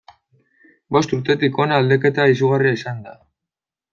Bost urtetik hona aldaketa izugarria izan da.